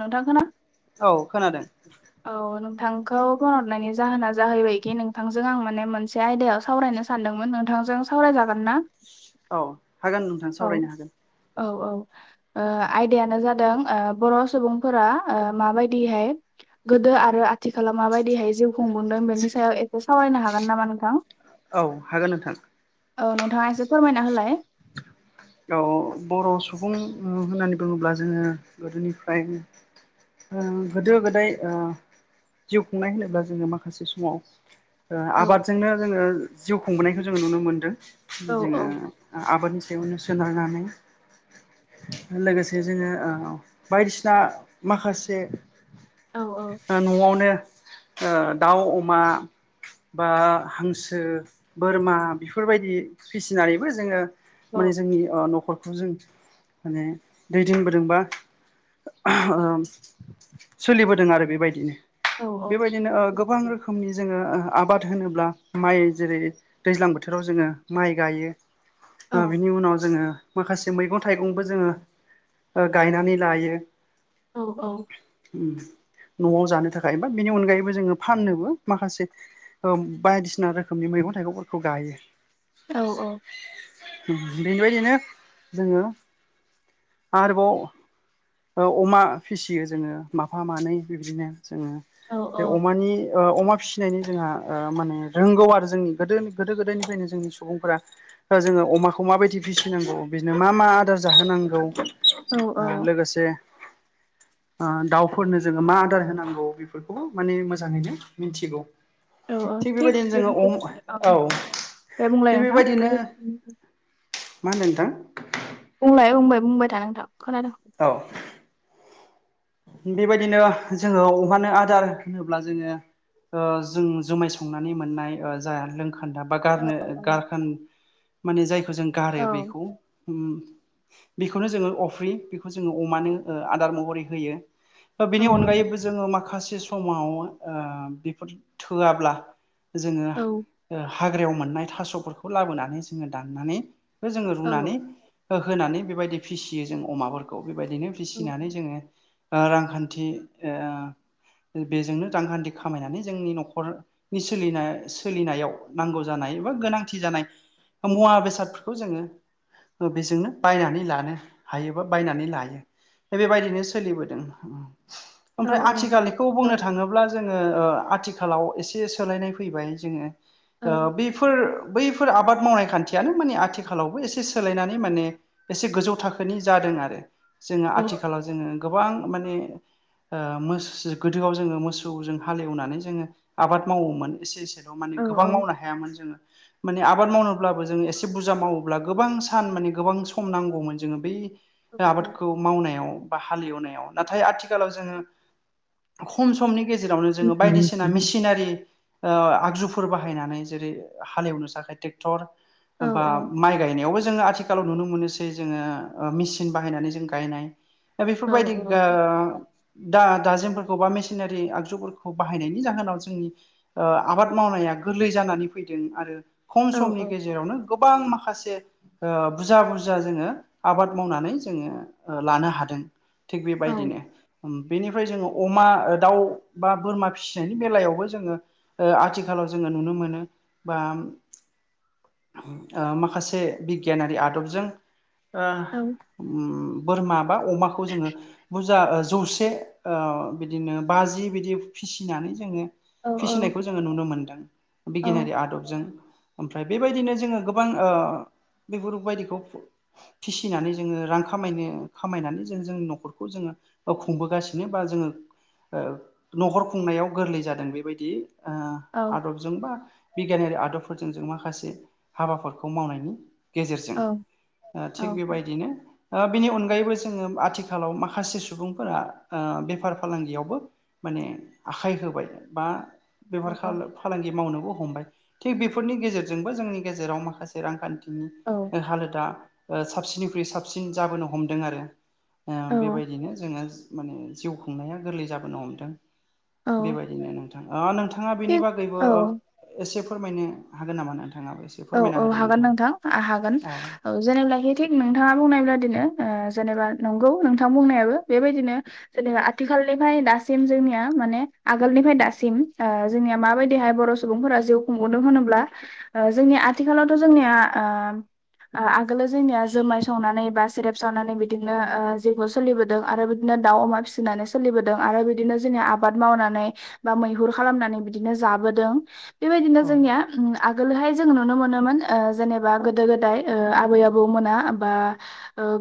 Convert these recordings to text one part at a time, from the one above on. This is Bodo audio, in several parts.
नोंथां खोना औ खोनादों। नोंखौ फनहरनायनि जाहोना जाहैबायखि नोंथांजों आं माने मोनसे आयदायाव सावरायनो सानदोंमोन नोंथां। जों सावराय जागोन ना? औ हागोन नोंथां औ सावरायनो। औ औ ओ आयदायानो जादों ओ बर' सु सुबुंफोरा ओ बायदिहाय गोदो आरो आ थिखालाव माबायदिहाय जिउ खुंबुंदों बेनि सायाव एसे सावरायनो हागोन नामा नोंथां? औ हागोन नोंथां। औ नोंथाङा एसे फोरमायना होलाय। ओ बर' सुबुं होननानै बुङोब्ला जोङो गोदोनिफ्राय ओ गोदो गोदाय ओ जिउ खुंनाय होनोब्ला जोङो माखासे समाव ओ औ आबादजोंनो जोङो जिउ खुंबोनायखौ जोङो नुनो मोनदों औ औ जोङो आबाद सोनारनानै लोगोसे जोङो ओ बायदिसिना माखासे औ न'आवनो ओ दाउ अमा बा हांसो बोरमा बेफोरबायदि फिसिनानैबो जोङो औ माने जोंनि ओ न'खरखौ जों माने दै दोनबोदों बा। सोलिबोदों आरो बेबायदिनो औ औ बेबायदिनो ओ गोबां रोखोमनि जोङो ओ आबाद होनोब्ला माइ जेरै दैज्लां बोथोराव जोङो माइ गायो ओ औ बिनि उनाव जोङो माखासे मैगं थाइगंबो जोङो ओ गायनानै लायो। औ औ [inaudible] न'आव जानो थाखाय बा बेनि अनगायैबो जोङो फाननोबो माखासे ओ बायदिसिना रोखोमनि मै मैगं थाइगंफोरखौ गायो। बेनिबायदिनो जोङो आरोबाव ओ अमा फिसियो जोङो माफा मानै बिबदिनो जोङो बे अमानि ओ अमा फिसिनायनि जोंहा ओ माने रोंगौ आरो जोंनि गोदो गोदो गोदायनिफ्रायनो जोंनि सुबुंफोरा जोङो अमाखौ खौ माबायदि फिसिनांगौ बिदिनो मा मा आदार जाहोनांगौ औ लोगोसे [inaudible] ओ दाउफोरनो जोङो मा आदार होनांगौ बेफोरखौ माने मोजाङैनो मिथिगौ औ थिग बेबायदिनो जोङो अम बे औ दे बुंलाय थिग नोंथां बेबायदिनो मा होनदों नोंथां लाय बुंबाय बुंबाय था नोंथां खोनादों औ बेबायदिनो जोङो अमानो आदार होनोब्ला जोङो ओ जों जुमाय संनानै मोननाय ओ जा लों खोनदा बा गारनो गारखोन माने जायखौ जों औ गारो बेखौ उम बेखौनो जोङो अफ्रि बेखौ जोङो अमानो ओ आदार महरै होयो ओ औ बेनि अनगायैबो जोङो माखासे से समाव ओ बेफोर थोआब्ला जोङो औ ओ हाग्रायाव मोननाय थास'फोरखौ लाबोनानै जोङो दाननानै बो जोङो औ रुनानै होनानै बेबायदि फिसियो जों अमाफोरखौ बेबायदिनो औ फिसिनानै जोङो ओ रांखान्थि ओ बेजोंनो रांखान्थि खामायनानै जोंनि न'खरनि सोलिनाय सोलिनायाव नांगौ जानाय नाय बा गोनांथि जानाय मुवा बेसादफोरखौ जोङो बेजोंनो बायनानै लानो हायोबा बायनानै लायो दा बेबायदिनो सोलिबो दों ओं औ ओमफ्राय औ आथिखालनिखौ औ बुंनो थाङोब्ला जोङो ओ आथिखालाव एसे सोलायनाय फैबाय जोङो औ ओ बेफोर बैफोर आबाद मावनाय खान्थियानो माने आथिखालावबो एसे सोलायनानै माने एसे गोजौ थाखोनि जादों आरो जोङो औ आथिखालाव जोङो गोबां माने ओ मोस सो गोदोआव जोङो मोसौजों हालेवनानै जोङो आबाद मावोमोन एसे एसे बेयाव माने गोबां मावनो हायामोन जोङो माने आबाद मावनोब्लाबो जोङो एसे बुरजा मावोब्ला गोबां सान माने गोबां सम नांगौमोन जोङो बै आबादखौ मावनायाव बा हालेवनायाव नाथाय आथिखालाव जोङो खम समनि गेजेरावनो जोङो बायदिसिना मेसिनारि ओ आगजुफोर बाहायनानै जेरै हालेवनो थाखाय ट्रेक्टर बा माइ गायनायावबो जोङो आथिखालाव नुनो मोनोसै जोङो ओ मेसिन बाहायनानै जों गायनाय दा बेफोरबायदि दा दा दाज जोफोरखौबा मेसिनारि आगजुफोरखौ बाहायनायनि जाहोनाव जोंनि ओ आबाद मावनाया गोरलै जानानै फैदों आरो खम औ समनि गेजेरावनो गोबां माखासे ओ बुरजा बुरजा जोङो आबाद मावनानै जोङो लानो हादो दों थिग औ बेबायदिनो उम बेनिफ्राय जोङो अमा दाउ बा बोरमा फिसिनायनि बेलायावबो जोङो ओ आथिखालाव जोङो नुनो मोनो बा [inaudible] आ माखासे बिगियानारि आदबजों ओ बोरमा बा अमाखौ जोङो जा जौसे ओ बिदिनो बाजि बिदि फिसिनानै जोङो फिसिनायखौ जोङो नुनो मोनदों बिगियानारि आदबजों ओमफ्राय बेबायदिनो जोङो गोबां ओ बेफोरबायदिखौ फिसिनानै जोङो रां खामायनो खामायनानै जों जोंनि न'खरखौ खौ जोङो ओ खुंबोगासिनो बा जोङो न'हर खुंनायाव गोरलै जादों बेबायदि ओ आदबजों बा बिगियानारि आदबफोरजों जों माखासे हाबाफोरखौ मावनायनि गेजेरजों ओ थिग बेबायदिनो ओ बेनि अनगायैबो जोङो आथिखालाव माखा खासे सुबुंफोरा ओ बेफार फालांगियावबो माने आखाइ होबाय बा बेफार खालो फालांगि मावनोबो हमबाय थिग बेफोरनि गेजेरजोंबो जोंनि गेजेराव माखासे रांखान्थि उम ओ हालोदा ओ साबसिननिख्रुइ साबसिन जाबोनो हमदों आरो ओ बेबाय दिनो जोङो माने जिउ खुंनाया गोरलै जाबोनो हमदों औ बेबायदिनो नों थां ओ नोंथाङा बेनि थिग बागैबो औ एसे फोरमायनो हागोन नामा नोंथां? औ औ हागोन नोंथां हागोन औ जेनेब्लाखि थिग नोंथाङा बुंनाय बादिनो जेनेबा नंगौ नोंथां बुंनायाबो बेबायदिनो जेनेबा आथिखालनिफ्राय दासिम जोंनिया माने आगोलनिफ्राय दासिम ओ जोंनिया माबायदिहाय बर' सुबुंफोरा जिउ खुंबोदों होनोब्ला ओ जोंनि आथिखालावथ' जोंनिया ओ ओ आगोलाव जोंनिया जोमाय सावनानै बा सेरेप सावनानै बिदिनो ओ जिवखौ सोलिबोदों आरो बिदिनो दाउ अमा फिसिनानै सोलिबोदों आरो बिदिनो जोंनि आबाद मावनानै बा मैहुर खालामनानै बिदिनो जा जाबोदों बेबायदिनो औ जोंनिया उम आगोलहाय जों नुनो मोनोमोन ओ जेनेबा गोदो गोदाय ओ आबै आबौ मोना बा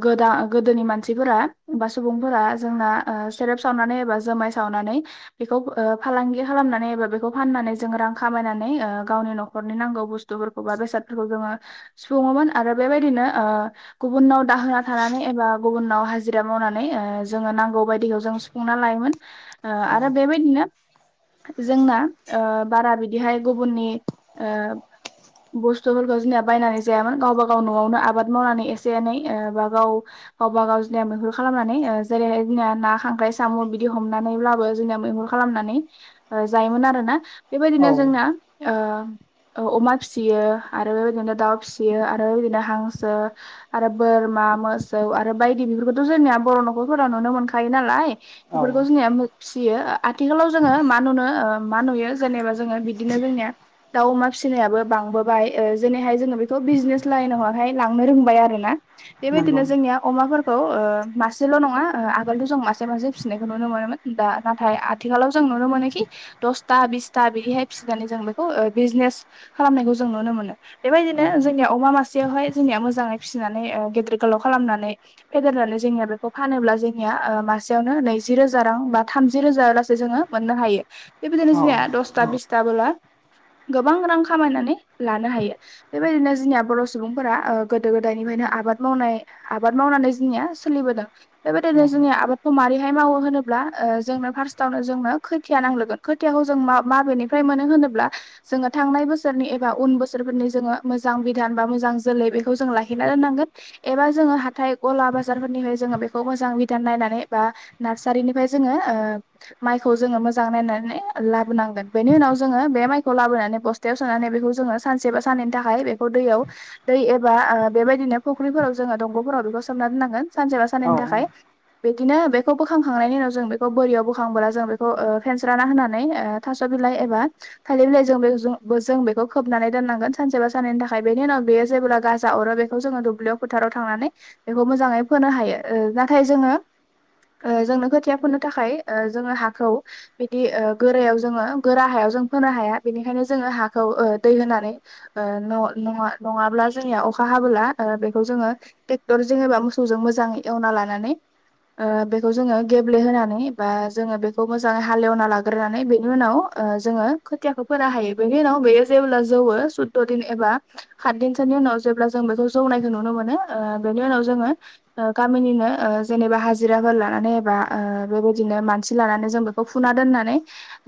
गोदा गोदोनि मानसिफोरा बा सुबुंफोरा जोंना ओ सेरेब सावनानै एबा जोमाय सावनानै बेखौ फो ओ फालांगि खालामनानै एबा बेखौ फाननानै जों रां खामायनानै ओ गावनि न'खरनि नांगौ बुस थफोरखौबा बेसादफोरखौ जोङो सुफुङोमोन आरो बेबायदिनो ओ गुबुननाव दाहोना थानानै एबा गुबुनाव हाजिरा मावनानै ओ जोङो नांगौ बायदिखौ जों सुफुंना लायोमोन। ओ आरो बेबायदिनो जोंना ओ बारा बिदिहाय गुबुननि ओ बुस्थुफोरखौ जोंनिया बायनानै जायामोन गावबा गाव न'आवनो आबाद मावनानै एसे एनै बा गाव गावब गाव जोंनिया मैहुर खालामनानै जेरैहाय जोंनिया ना खांख्राइ साम' बिदि हमनानैब्लाबो जोंनिया मैहुर खालाम नानै जायोमोन आरोना औ बेबायदिनो औ जोंना ओ ओ अमा फिसियो आरो बेबायदिनो दाउ फिसियो आरो बेबायदिनो हांसो आरो बोरमा मोसौ आरो बायदि बेफोरखौथ' जोंनिया बर' न'खरफोराव नुनो मोनखायो नालाय औ बेफोरखौ जोंनिया फिसियो आथिखालाव जोङो मा नुनो ओ मा नुयो जेनेबा जोङो बिदिनो जोंनिया दाउमा फिसिनायाबो बांबोबाय ओ जोनैहाय जोङो बेखौ बिजनेस लाइनावहाय लांनो रोंबाय आरो ना नंगौ बेबायदिनो जोंनिया अमाफोरखौ ओ मासेल' नङा ओ आगोलथ' जों मासे मासे फिसिनायखौ नुनो मोनोमोन दा नाथाय आथिखालाव जों नुनो मोनोखि। दसथा बिसथा बिदिहाय फिसिनानै जों बेखौ बिजनेस खालामनायखौ जों नुनो मोनो बेबायदिनो औ जोंनिया अमा मासेयावहाय जोंनिया मोजाङै फिसिनानै गेदेर गोल लाव खालामनानै फेदेरनानै जोंनिया बेखौ फानोब्ला जोंनिया ओ मासेयावनो नैजि रोजा रां बा थाम जि रोजा गासै जोङो मोननो हायो बेबायदिनो औ जोंनिया दसथा बिसथा बोला गोबां रां खामायनानै लानो हायो बेबायदिनो जोंनिया बर' सुबुंफोरा ओ गोदो गोदायनिफ्रायनो आबाद मावनाय आबाद मावनानै जोंनिया सोलिबोदों औ बेबायदिनो जोंनि आबादखौ मारै फाय मावो होनोब्ला ओ जोंनो फारस्टावनो जोंनो खोथिया नांग्रोगोन खोथियाखौ जों मा मागोनिफ्राय मोनो हो नोब्ला जोङो थांनाय बोस सोरनि एबा उन बोसोरफोरनि जोङो मोजां बिधान बा मोजां जोलै बेखौ जों लाखिना दोननांगोन एबा जों ङो हाथाइ गला बाजारफोरनिफ्राय जोङो बेखौ मोजां बिधान नायनानै बा नार्सारिनिफ्राय जोङो ओ माइखौ जोङो मोजां नायनानै लाबोनांगोन बेनि उनाव जोङो बे माइखौ लाबोनानै बस थायाव सोनानै बेखौ जोङो सानसे बा साननैनि थाखाय बेखौ दैयाव दै एबा ओ बेबायदिनो फुख्रिफोराव जों जोङो दंग'फोराव बेखौ सोमना दोननांगोन सानसेबा साननैनि औ थाखाय बिदिनो बेखौ बोखांखांनायनि उनाव जों बेखौ बोरियाव बोखांबोला जों बेखौ ओ फेनस्राना होनानै थास' बि लाइ एबा थालिर बिलाइजों बेजों बो जों बेखौ खोबनानै दोननांगोन सानसेबा साननैनि थाखाय बेनि उनाव बेयो जेबोब्ला गाजा अरो बेखौ जोङो दुब्लियाव फोथार राव थांनानै बेखौ मोजाङै फोनो हायो ओ नाथाय जोङो ओ जोंनो खोथिया फोनो थाखाय ओ जोङो हाखौ बिदि ओ गोरायाव जोङो गोरा हायाव जों फोनो हाया बेनिखायनो जोङो हाखौ ओ दै होनानै ओ न नङा नङाब्ला जोंनिया अखा हाबोला ओ बेखौ जोङो ट्रेक्टर जेनेबा मोसौजों मोजाङै एवना लानानै ओ बेखौ जोङो गेब्लेहोनानै बा जोङो बेखौ मोजाङै हालेवना लाग्रोनानै बेनि उनाव ओ जोङो खोथियाखौ फोनो हायो बेनि उनाव बेयो जेब्ला जौवो सुदद' दिन एबा खाद दिनसोनि उनाव जेब्ला जों बेखौ जौनायखौ नुनो मो मोनो ओ बेनि उनाव जोङो ओ गामिनिनो ओ जेनेबा हाजिराफोर लानानै बा ओ बेबायदिनो मानसि लानानै जों बेखौ फुना दोननानै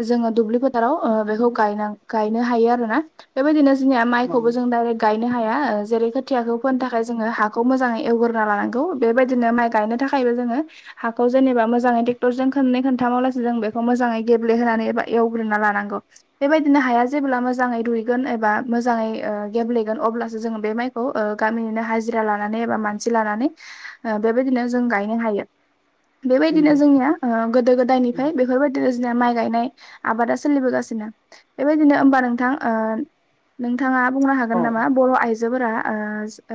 जोङो दुब्लि फोथाराव ओ बेखौ गायनां गायनो हायो आरो ना बेबायदिनो जोंनिया माइखौबो जों नंगौ दडाइरेक्ट गायनो हाया ओ जेरै खोथियाखौ फोनो थाखाय जोङो हाखौ मोजाङै एवग्रोना लानांगौ बेबायदिनो माइ गायनो थाखायबो जोङो हाखौ जेनेबा मोजाङै टेक्टरजों खोननै खोनथामावलासै जों बेखौ मोजाङै गेब्ले होनानै एबा एवग्रोना ला नांगौ बेबाय नों हाया जेब्ला मोजाङै रुइगोन एबा मोजाङै ओ गेब्लेगोन अब्लासो जोङो बे माइखौ ओ गामिनि बिदिनो हाजिरा लानानै एबा मानसि लानानै ओ बेबायदिनो जों गायनो हायो बेबायदिनो जोंनिया ओ गोदो गोदायनिफाय बेफोरबायदिनो माइ गायनाय आबादा सोलिबोगासिनो बेबायदिनो ओमबा नोंथां ओ नों थाङा बुंनो हागोन नामा बर' आइजो फोरा ओ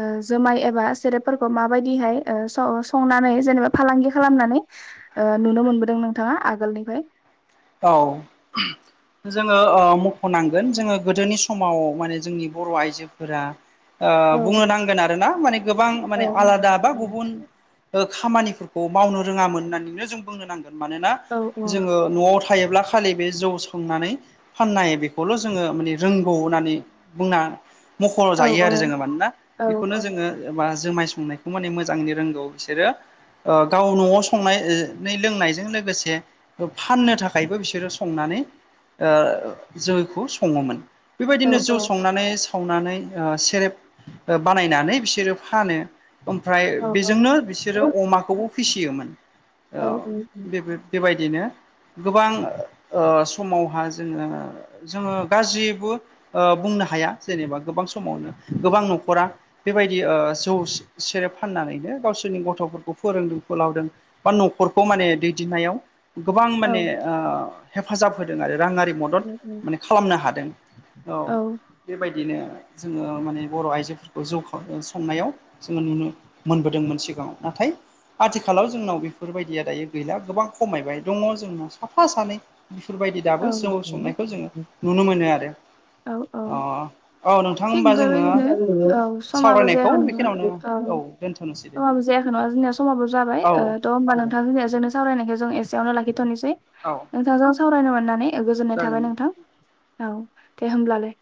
ओ जोमाइ एबा सेरेब फोरखौ माबायदिहाय ओ स संनानै जेनेबा फा फालांगि खालामनानै ओ नुनो मोनबोदों नोंथाङा आगोलनिफ्राय औ जोङो ओ मख'नांगोन जोङो गोदोनि समाव माने जोंनि बर' आइजोफोरा ओ औ बुंनो नांगोन आरो ना माने गोबां औ माने आलादा बा गुबुन ओ खामानि मावनो रोङामोननानैनो जों बुंनो नांगोन मानोना औ जोङो न'आव थ थायोब्ला खालि बे जौ संनानै फाननाय बेखौल' जोङो माने रोंगौ होननानै बुंना मख' औ जायो आरो जोङो मानोना औ बेखौनो जोङो बा जोमाइ संनायखौ माने मोजाङैनो रोंगौ बिसोरो ओ गाव न'आव संनाय नै लोंनायजों लोगोसे फाननो था खायबो बिसोरो संनानै ओ जौखौ सङोमोन। औ बेबायदिनो जौ संनानै सावनानै सेरेब ओ बानायनानै बिसोरो फानो ओमफ्राय औ बेजोंनो औ बिसोरो अमाखौबो फिसियोमोन। औ बे बेबायदिनो गोबां ओ समावहा जोङो जोङो गाज्रिबो बुंनो हाया जेनेबा गोबां समावनो गोबां न नखरा बेबायदि जौ सेरेब फाननानैनो गावसोरनि गथ'फोरखौ फोरोंदों फोलावदों बा न'खरखौ माने दैदेननायाव गोबां माने ओ हेफाजाब होदों आरो राङारि मदद माने खालामनो हादों औ बेबायदि बिदिनो जोङो माने बर' आइजोफोरखौ जौ संनायाव जोङो नुनो मोनबोदों मोनसे नाथाय आथिखालाव जोंनाव बेफोरबायदिया दायो गैला गोबां खमायबाय दङ जोंनाव साफा सानै बेफोरबायदि औ दाबो जौ संनायखौ जोङो नुनो मोनो आरो औ औ अ औ नोंथां थिग होमबा जोङो बेबायदिनो औ समाबो सावरायनायखौ जायाखै नङा औ बेखिनियावनो औ दोनथ'नोसै दे समाबो जायाखै नङा जोंनिया समाबो जाबाय औ ओ त' होमबा दे नोंथाङा जोंनिया जोंनो सावरायनायखाय जों एसेयावनो लाखिथ'नोसै औ नोंथांजों सावरायनो मोननानै गोजोननाय थाबाय जागोन नोंथां औ दे होमब्लालाय